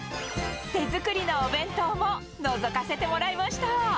手作りのお弁当ものぞかせてもらいました。